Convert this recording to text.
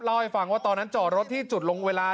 เล่าให้ฟังว่าตอนนั้นจอดรถที่จุดลงเวลา